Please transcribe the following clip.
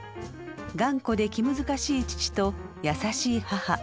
頑固で気難しい父と優しい母。